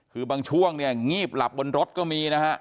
คือบางช่วงงีบหลับบนรถก็มี